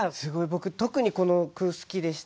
僕特にこの句好きでした。